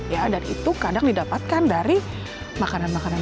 ya dan itu kadang didapatkan dari makanan makanan